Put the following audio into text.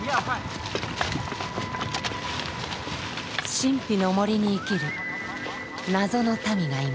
神秘の森に生きる謎の民がいます。